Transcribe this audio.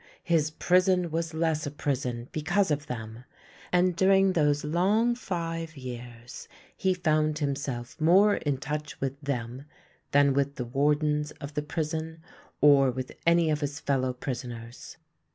His prison was less a prison be cause of them, and during those long five years he found himself more in touch with them than with the wardens of the prison or with any of his fellow pris oners.